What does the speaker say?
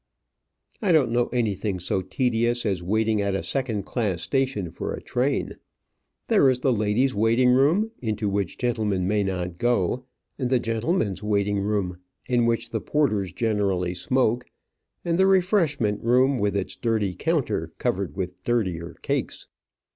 I don't know anything so tedious as waiting at a second class station for a train. There is the ladies' waiting room, into which gentlemen may not go, and the gentlemen's waiting room, in which the porters generally smoke, and the refreshment room, with its dirty counter covered with dirtier cakes.